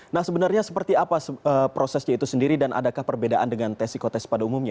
nah sebenarnya seperti apa prosesnya itu sendiri dan adakah perbedaan dengan tes psikotest pada umumnya